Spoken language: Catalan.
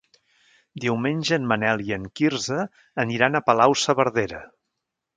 Diumenge en Manel i en Quirze aniran a Palau-saverdera.